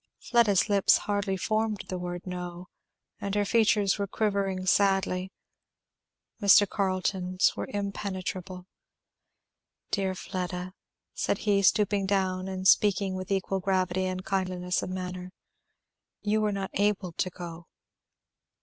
Fleda's lips hardly formed the word "no," and her features were quivering sadly. Mr. Carleton's were impenetrable. "Dear Fleda," said he, stooping down and speaking with equal gravity and kindliness of manner, "you were not able to go."